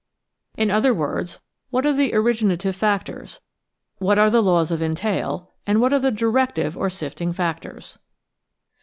In other words: what are the originative factors, what are the laws of entail, and what are the directive or sifting factors?